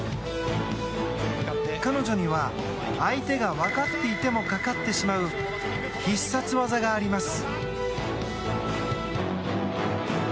彼女には、相手が分かっていてもかかってしまう必殺技があります。